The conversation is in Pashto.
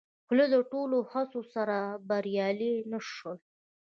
خو له ټولو هڅو سره سره بریالي نه شول